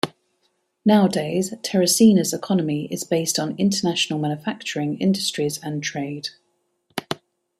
Nowadays, Teresina's economy is based on international manufacturing industries and trade.